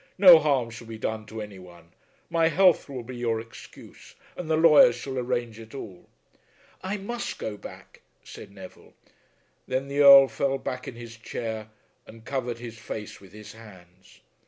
No harm shall be done to any one. My health will be your excuse, and the lawyers shall arrange it all." "I must go back," said Neville. Then the Earl fell back in his chair and covered his face with his hands.